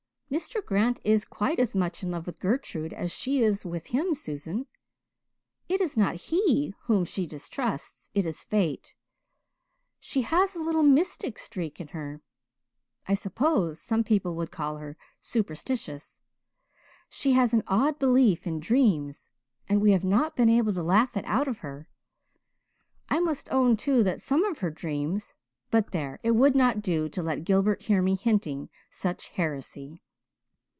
"Mr. Grant is quite as much in love with Gertrude as she is with him, Susan. It is not he whom she distrusts it is fate. She has a little mystic streak in her I suppose some people would call her superstitious. She has an odd belief in dreams and we have not been able to laugh it out of her. I must own, too, that some of her dreams but there, it would not do to let Gilbert hear me hinting such heresy.